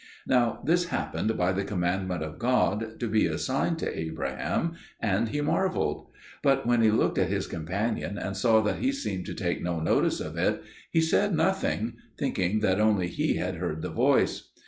Now this happened by the commandment of God, to be a sign to Abraham, and he marvelled; but when he looked at his companion and saw that he seemed to take no notice of it, he said nothing, thinking that only he had heard the voice.